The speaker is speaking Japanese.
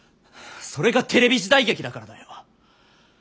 それがテレビ時代劇だからだよ。